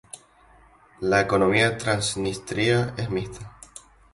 La economía de Transnistria es mixta.